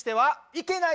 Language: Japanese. いけない。